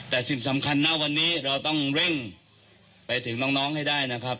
แต่สิ่งสำคัญนะวันนี้เราต้องเร่งไปถึงน้องให้ได้นะครับ